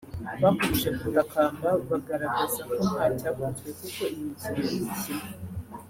bakomeje gutakamba bagaragaza ko ntacyakozwe kuko iyi mikino igikinwa